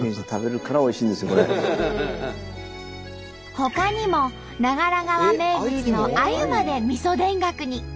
ほかにも長良川名物のアユまでみそ田楽に。